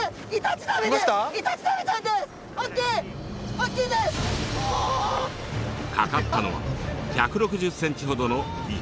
掛かったのは１６０ｃｍほどのイタチザメ。